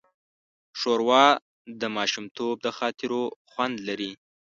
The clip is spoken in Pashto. ښوروا د ماشومتوب د خاطرو خوند لري.